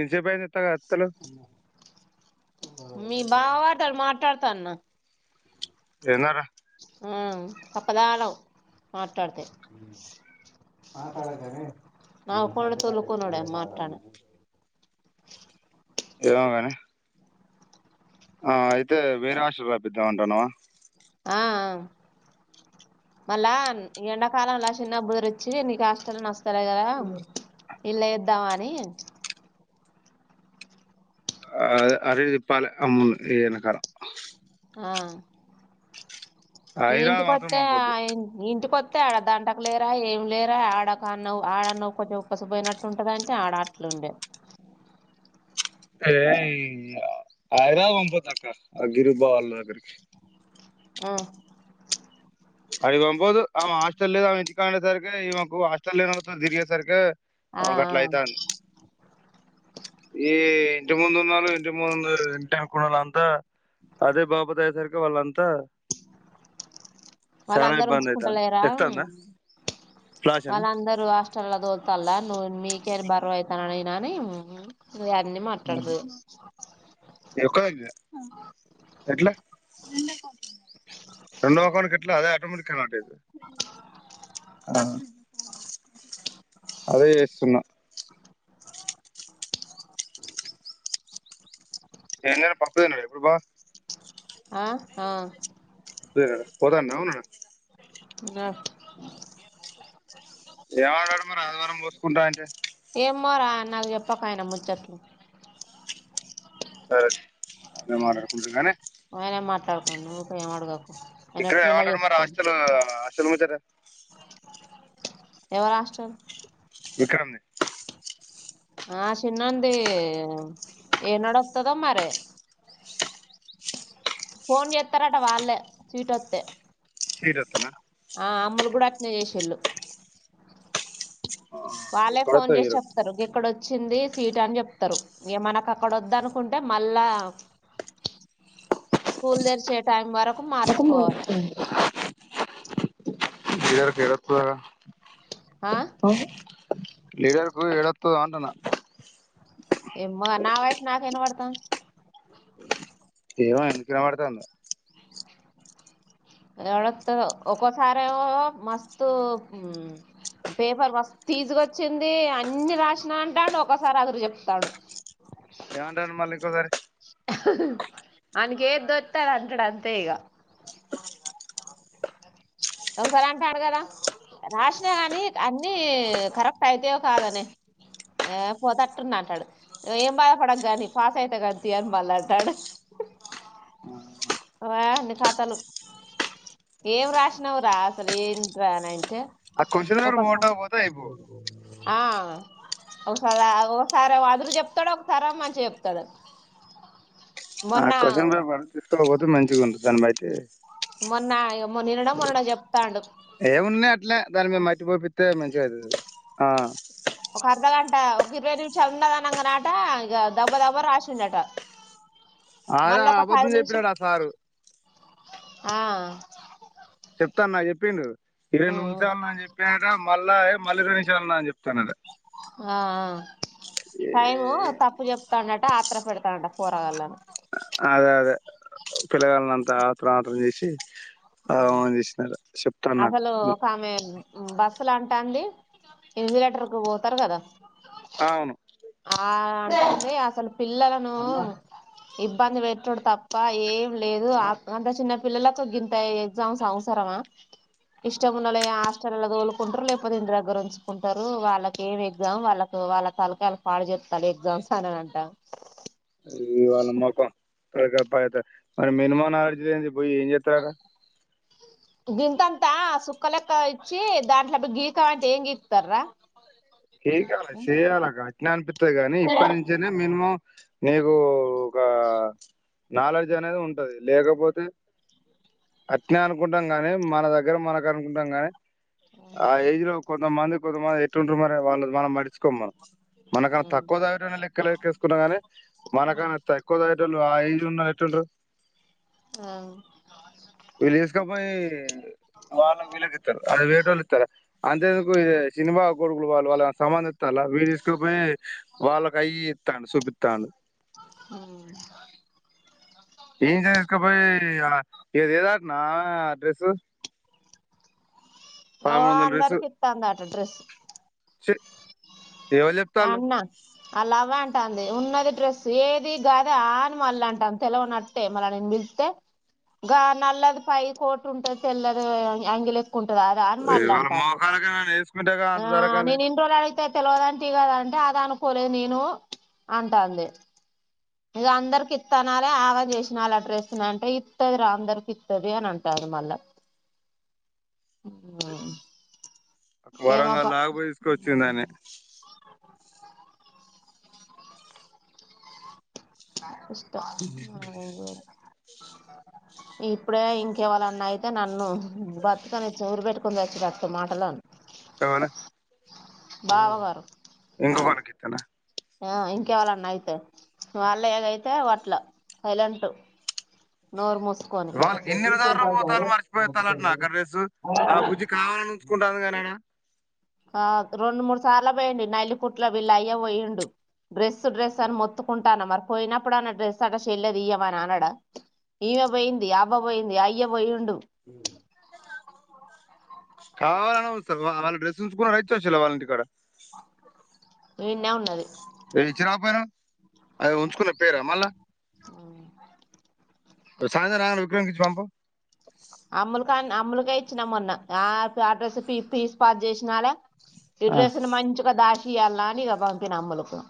ఎంత సేపూ అయింది వస్త లేవు మీ బావాటల్ మాట్లాడతాన్న తిన్నారా ఉమ్ తప్పదాళవ్ మాట్లాడ్తే ఆ తొల్లు తోలుకునొడే మాట్లడ ఏవగనే ఆ అయితే వేరే ఆట్స్లక్కి పప్పిద్దాం అంటానావా ఆఆ మళ్ళా ఎండాకాలంలా చిన్న బదురిచ్చి నీకు హాస్టల్ నచ్చలేదు కదా ఇల్లేయ్ఇద్దాం అని ఆ అది విప్పలె మ్మనునకాలం ఆ ఈ ఇంటి హైదరాబాద్ మాత్రం కొత్తె పంపొద్దు ఆయ్ ఈ ఇంటికొత్ ఆడ దంటక లేరా ఏం లేరా ఆడకు అన్న్వ్ ఆడన్నవ్ కొన్చవ్ ఒక్కసిపోయినట్టు ఉంటందంటే ఆడట్లున్ అంటె అ [inaudible] ఏ ఐ ఐరాదరాబాద్ అగిరిబాళ్లగిరి ఆ అడిగి వంబోదు ఆ హాస్టెల్ ఇంటి కండే సార్కి ఇవకు హాస్టెల్ దిరిగే సార్కిే ఆ అ అట్లా అయితాంది ఈ ఇంటి ముందు ఉన్నోలు ఇంటి ముందు ఇంటి అనుకుండాల అంతా అదే బాబతి అయ్యేసరికి వాళ్ళంతా చాలా వాళ్ళందరు ఇబ్బంది అయితాంది ఉంచుకుంటలేరా ఎక్కుతాందా ఫ్లాష్ ఏనా వాళ్ళందరూ హాస్టల్ దోల్ తల నీకే నేను బరుయితాన నేను అని మాట్డదు ఎక్క ఎట్లా రెవకా కట్లా అదే ఆటోమటిక్దు ఆ అదే చేస్తున్నా ఏం తిన్నాడు పప్పు తిన్నాడా ఇప్పుడు బావ ఆ ఆ పప్పు తిన్నాడ పొత్తాడా ఉన్నాడా నాట్ ఏం అన్నాడు మరి ఆదివారం పోసుకుంటా అంటే ఏమోరా నాకు చెప్పక ఆయన ముచ్చట్లు సరే అదే మాకుంటనే కానీ నన్ను ఊకే ఏం అడగకు ఆయన ఇక్కడ ఎట్లనన్న ఏమంటడు మరి చేసుకోని హాస్టల్ హాస్టల్ ముచ్చట ఎవరు హాస్టల్ విక్రమ్ ది ఆ చిన్నోది ఏనాడతదో మరి ఫోన్ చేస్తారట వాళ్ళే సీట్ అస్తే సీట్ అతేనా ఆ అమ్ములు కూడా అట్నే చేసిళ్ళు వాళ్ళే ఫోన్ ఎక్కడొస్తా చేసి హీరో చెప్తారు ఎక్కడొచ్చి వచ్చింది సీట అని చెప్తారు ఇ మనకు అక్కడ వద్ద అనుకుంటే మళ్ళా స్కూల్ తెరిసే టైమ్ [unintelligible] కి ఎడా అత్తది ఆ ఆడ లీడర్కు ఎడతదో అంటానా ఏమో నా వాయిస్ నాకే వినపడతంది ఏమో ఎందుకిినవడుతాందో ఎడ త్తడో ఒకసారేమో మస్తు పేపర్ మస్తు ఈజీగొచ్చింది అన్ని రాసిన అంటాడు ఒకసారి అదురు చెప్తాడు ఏమంటండు మళ్ళ ఇంకోసారి ఆనికి ఏదోత్తే అది అంటాడు అంతే ఇగ ఒకసారి అంటాడు కదా రాసినా కనీ అన్ని కరెక్ట్ అయితయో కాదో నే ఏ పోతట్టున్నా అంటాడు ఏం బాధపడకు గాని పాస్ అయిత గానీ పల్లాంటడున్నిఖాతలు ఏం రాసినావ్ రా అసలు ఏంది రా అంతే ఆ క్వశ్చన్ ఒక పేపర్ స పోటా పోతే అయిపో ఆ ఒకసారి ఒకసారి అదురు చెప్తాడు ఒకసారి మంచిగా చెప్తాడు ఆ మొన్న క్వశన్ పేపర్ తీసుకలపోతే మంచిగుండు దాన్లైతే మొన్న ఇగ మొ నిన్ననో మొన్ననో చెప్తండు ఏమున్నాయి అట్లే దాని మీద మట్టిపోపిత్తే మంచిగయితది అది ఆ ఒక అర్ద గా ట ఒక ఇరవై నిమిషాలున్న దనంగా అట ఇగ దబ్బ దబ్బ రాసిండట అదే మళ్ళ ఒక పది అబద్ధం నిమిషం చెప్పినట ఆ సారు ఆ చెప్తా అని నాకు చెప్పిండు ఇరవై ఉమ్ నిమిషాలు ఉన్నది అని చెప్పిండట మళ్ళ ఏ మళ్ళ ఇరవై నిమిషాలు ఉన్నది అని చే త్తనడ ఆ టైము ఏ- తప్పు చెప్తాండట ఆత్ర పెడతండా పొరగాళ్లను అదే అదే పిలగాళ్ళను అంత ఆత్రం ఆత్రంచేసి ఆగమాగం చేసిండట చెప్తండు నాకు అసలాంటంది ఇన్విజ్ లెటర్ కు పోతారు కదా ఆ అవును ఆమే అంటది అసలు పిల్లలను ఇబ్బంది పెట్టుడు తప్ప ఏం లేదు అంత చిన్న పిల్లలకు గింత ఎగ్జామ్స్ అవసర తారవా ఇష్టం ఉన్నోలాయే హాస్టలల్ల తోలుకుంటారు లేకపోతే ఇంటి దగ్గర ఉంచుకుంటారు వాళ్ళకి ఏం ఎగ్జామ్ వాళ్ళకు వాళ్ళ తలకాయలు పాడు చెత్తలు ఎగ్జామ్స్ అని అంట ఇది వాళ మొఖం ఫ్రెషప్ అయితే మరి మినిమన్ నాలేజ్ లేంది పోయి ఏం చెతారట అంతా సుక్క లెక్క ఇచ్చి దాంట్ల గీక మాంటే ఏం గీకుతారు రా గికలే చేయాలక అట్నే అనిపిత్తది గాని ఇప్పటి నుంచేనే మినిమం నీకు ఒక నాలెడ్జ్ అనేది ఉంటది లేకపోతే అట్నే అనుకుంటాం గాని మన దగ్గర మనకు అనుకుంటాం గాని ఆ ఏజ్ లో కొంతమంది కొంతమంది ఎట్టుంటు మరి వాళ్ళది మనం పట్టించుకోం మనం మనకన్నా తక్కువ చదివేటోని లెక్కలేక్కేసుకున్నా గాని మనకన తక్కువ చదివేటోలు హై లున్నేళ్లు ఎట్లుంట్రు ఆ విల్ తీసుకపోయి వాళ్ళకు వీళ్ళకు ఇత్తరు అంతెందుకు ఇడే శీను బావ కోడు వాళ్ళు వాళ్ళు ఏమన సామాను తెత్తల్ల విడు తీసుకపోయే వాళ్ళకి అయి ఇయి ఇతండు సుపితండు ఉ ఇంచే తీసుకుపోయి ఇగ ఇగ తేదటన డ్రెస్ ఓ పదమూడు వందల అందరి కితందట డ్రెస్సు చె నేఅన్న ఆలవ్వ అంటంది ఉన్నది డ్రెస్ ఏది గద అని మళ్ళ అంటంది తెలవనట్టే మళ్ళ నేను పిలుత్తే గ నల్లది పై కోట్ ఉంటది తెల్లది అంగిలే కుంటది అద అని మళ్ళ ఇవాళ అంటాంది మోకాలకి [unintelligible] అతే తెలివదంటి కదంటే అది అనుకోలేదు నేను అంటాంది ఇది అందరికి ఇత్తనాలే ఆవా చేసినళ్ అడ్రస్తు అంటే ఇత్తది రా అందరికి ఇత్తది అని అంటారు అది మల్ళ స ఏమో వరంగల్ పా దాకా పోయ్ తీసుకొచ్చిందాన్ని అ ఇష్టం ఇప్పుడే ఇంకెవలన్నా అయితే నన్ను బతుకని చూరు పెట్టుకు కుంవచూరత్ మాటలా తవలే బావా గారు ఇంగో పడకెక్కన ఆ ఇంకెవాలన్నా అయితే వాళ్ళయగ అయితే అట్ల సైలెంట్ నోర్మూసు కొని వాళ్ళు గిన్నెల ధర పోతాలు మర్చిపోతాలట నా అక్కడ డ్రెస్సు ఆ బుజ్జి కావాలని ఉంచుకుంటాంది కానీ ఆడ ఆ రెండు మూడు సార్ల పొయిండు నల్లిపుట్ల వీళ్ల అయ్యా పోయిండు డ్రెస్సు డ్రెస్ అని మత్తుకుంటాను మరి పోయినప్పుడు అన్న డ్రెస్ అట చెల్లేదు ఇయ్యమని అనడ ఈమె పోయింది అబా పోయింది అయ్య పోయిండు కావాలని వస్తారు వాళ్ళు డ్రెస్ ఉంచుకుని ఇచ్చ వసలే వాళ్ళంటి ఇక్కడ ఈన్నే ఉన్నది మీరిచ్చి రాకపోయిన్రా అది ఉంచుకున్న పేరా మళ్ళా సాయంత్రమ్ అయినక విక్రమ్ కి ఇచ్చిపంపు అమ్ములుకా అమ్ములుకే ఇచ్చినా మొన్న ఆ అడ్రస్ పీసి పీసి పాతి చేసినాలే ఇ్రసన్ మంచిగా దాక్షిళ ఇ పత నమ్మక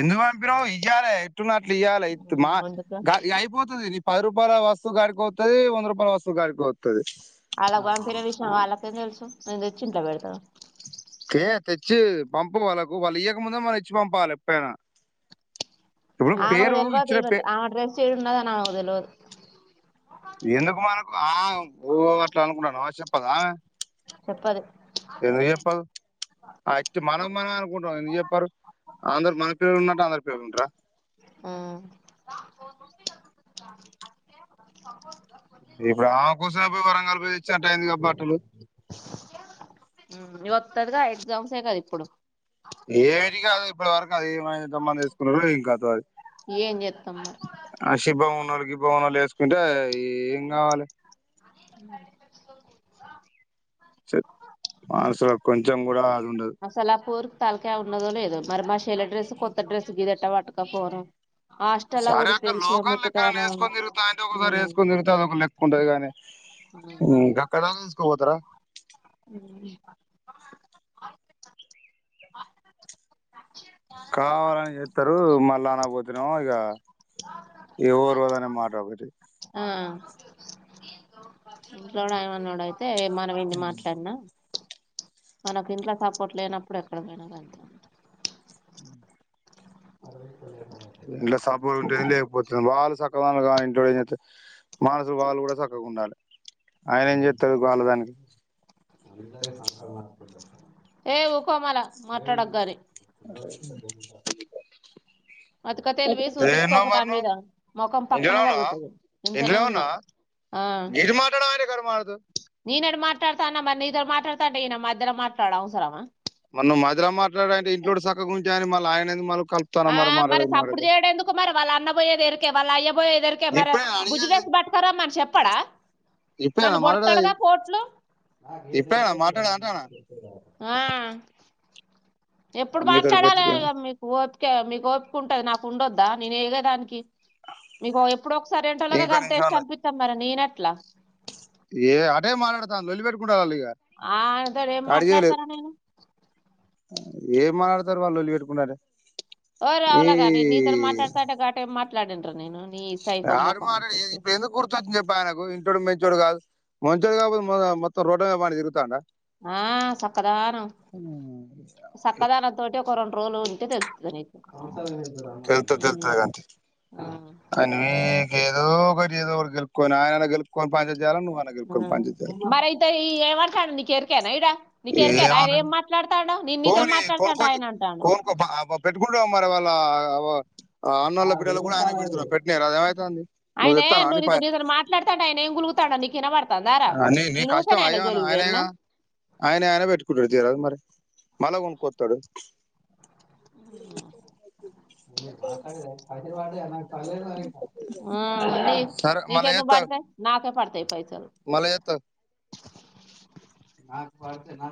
ఎందు పంపిన ఇయ్యాలి ఎట్టు నాట్లు ఇయ్యాలి ఇ మా అందుకు అయిపోతుంది పది రపాయల వస్తు కాడికివుతది వంద రూపాయల వస్తు కా కడికితది వాళ్ళకు పంపిన విషయం వాళ్ళకే తెలుసు నేను తెచ్చి ఇట్లో పెడతాను ఏ తెచ్చి పంపు వాళ్ళకు వాళ్ళు ఇయ్వకముందే మన ఇచ్చి పంపాలి ఎప్పుైనా ఆమెకు తేల్వద్ ఇచ్చిన ఈమె పే ఆమె డ్రెస్ ఈడున్నదని తెలివదు ఎందుకు మనకు ఆ ఊ అట్లా అనుకుంటన్నాను చెప్పదా చెప్పదు ఎందుకు చెప్పావ్ అస్తు మనం మనమ్ చెప్పారు అందరి మన పిల్లలు ఉన్న ట్టు అందరి పిల్లలు ఉంటార ఇప్పుడు ఆమె కోసం పోయి వరంగలి పోయి తెచ్చంట అయింది కాబ బట్టలు వత్తాదిగా ఎగ్జామ్సే కద ఇప్పుడు ఏమిటి కాదు ఇప్పటివరకు అది ఏమ జమా తీసుకున్నారో ఇంకా అది ఏం జెత్తం మరి భవాలే వేసుకుంటే ఏం కావాలి చెప్ మానసులో కొంచెం కూడా ఉండదు మసలాపూర్ తలకయ్ ఉన్నదో లేదొ మరి మా చెల్లి డ్రెస్ కొత్త డ్రెస్ గీదట్ట పట్టకపోను సరే అక్క లోకల్ ఎక్కడన్న వేసుకని తిరుగుతా దాంటే ఒకసారి వేసుకొని తిరుగు అదొక లెక్కకు ఉంటది గాని ఉమ్ గక్కడల్ల ఎస్కోని బొతరా అ కావాలని చెతా రు మళ్ళా కాకపోతేనేమో ఇగ ఎవరు అదే మాట అనవటి ఆ [inaudible] అయితే మనం ఎన్ని మాట్లాడినా మనకి ఇంట్లో సపోర్ట్ లేనప్పుడు అక్కడికిపోయిన అంతే ఇంట్లో సపోర్ట్ ఉంటే ఏంది లేకపోతే ఏంది వాళ్ళు సక్ పక్క కాని ఇంట్లో మానసులు వాళ్ళు కూడా చక్కగా ఉండాలి [inaudible] ఆయన ఏం చేస్తాడు వల్లదానికి ఎ ఉకో మల్లా మాట్లాడకు గానీ అతిక తెలివి ఏడ ఉన్నావ్ చూపించుకోకు నా మరి నువ్వు మీద మొఖం ఏడ పక్కన ఉన్నావ్ రా పలుగుతది ఇంటనే ఇంట్లనే ఉన్నా ఉన్నవ ఆ గీరు మాటాడే కరు మారుదు [inaudible] నెన్ ఏడ మాట్లాడతాన మరి నీతో మాట్లాడుతాంటే ఈయన మధ్యల మాట్లాడటం అవసరమ మరి నువు మధ్యల మాట్లాడడు అంటే ఇంట్లో ఉంటే సక్కగా ఉంటే ఏంది మల్లా ఆయన ఎందుకు మల్లా కలుప ఆ మరి సప్పుడు చేయడు ఎందుకు మరి వాళ్ళ అన్నబయేది ఎరికే వాళ్ళ అయ్యబయేది ఎరికే మరి ఇప్పుడే బుజ్జి అడిగేది డ్రెస్ పట్టకరమని చెపు చెప్పాడా ఇప్పుడేనా నన్ను పోడుతాడు మాట్లాడేది కదా పోట్లు ఇప్పుడేనా మాట్లాడ అంటానా ఆ ఎప్పుడు మీతో మాట్లాడాలే పెట్టుకో మీకు ఓపిక మీకు ఓపిక ఉంటది నాకు ఉండొద్దా నేను ఏగదానికి మీకు ఎప్పుడు ఒకసారి ఏంటోలాగా ఇంకో అంతా నిమిషం ఇష్ట అనిపిస్తా మరి నేనట్లా ఏ అదే మాలాడతాను లోలి పెట్కుంటద అ ఇగ ఆయనతోటి ఏం కాడి చేాల మాట్లాడతాను నేను ఏ మా [inaudible] మాట్లాడతారు వాళ్ళు లొల్లి పెట్టుకుంటుంటే ఓరీ అవలాగ నన్ నీతో మాట్లాడుతాంటే గాటు ఏం మాట్లాడినా రా నేను నీ సైకో ఆడు మొఖం మాట్డు ఇప్పుడు ఎందుకు కూర్చొచ్చింది చెప్పి ఆయనకు ఇంటిఒడు మంచోడు కాదు మంచోడు కాకపోతే మొత్తం రోడ్ల మీద పడి తిరుగుతండ ఆా సక్కదన సక్కదన తట ఒక రెండు రోజులు ఉంటే తెలుస్తది నీకు తెలుస్తది ఉమ్ తెలుస్తది గానీ తీయి ఆ నువ్వు ఏదో నువ్వు ఏదో ఒకటి గెల్లుకోవాలి ఆయన ఏదో ఓటి గెలుకోవాలి మరి ఇతే ఈ ఏమ కాాంది కరకనా ఇడ [inaudible] ఏమ నీతో పోని మాట్లాడతాంటే కొనుకోచ్చు ఆయన అంటాండు కొనుకో పెట్టుకుంట మరి [inaudible] మల్లా లా పెట్టినారు అది ఏమైతుంది నువ్వు ఆయనే చెప్తాను అని నీతిని మాట్లాడతంతే ఆయన గలుగుతాండు నీకు వినపడ్తలే నీ కష్టమా ఏం ఆయన ఆయనే గా ఆయనది ఆయననే పెట్టుకుండు తీరాదు మరి మల్లా కొనుకొస్తాడు అ సరే నీకేందు పడతాయ్ నాకే పడుతాయ్ మల్లా చేస్త అగు నాగ వాళతే నాగ [inaudible]